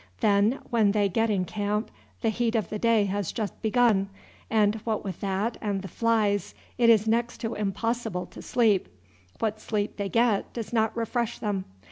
Then when they get in camp the heat of the day has just begun, and what with that and the flies it is next to impossible to sleep. What sleep they get does not refresh them.